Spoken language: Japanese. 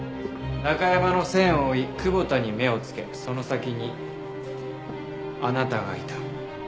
ナカヤマの線を追い久保田に目をつけその先にあなたがいた。